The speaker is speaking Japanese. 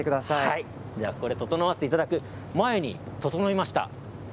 ではこれ、整わせていただく前に、整いました。